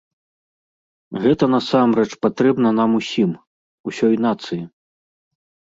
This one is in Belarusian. Гэта насамрэч патрэбна нам усім, усёй нацыі.